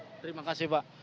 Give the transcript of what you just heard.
terima kasih pak